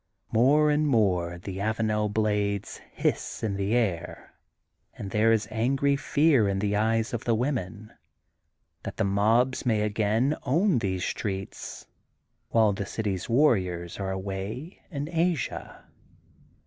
Moire and more the Avanel blades hiss in the air, and there is angry fear in the eyes of the women, that the r THE GOLDEN BOOK OF SPRINGFIELD 301 mobs may again own these streets, while the city's warriors are away in Asia.